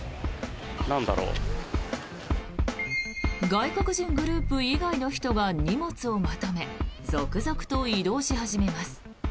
外国人グループ以外の人が荷物をまとめ続々と移動し始めます。